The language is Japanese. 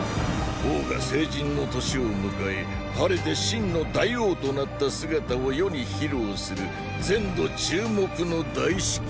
王が成人の年を迎え晴れて真の大王となった姿を世に披露する全土注目の大式典。